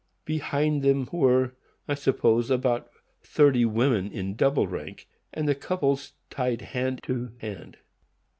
Behind them were, I suppose, about thirty women, in double rank, the couples tied hand to hand.